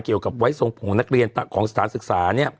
เกี่ยวกับไว้ทรงผงนักเรียนของสถานศึกษา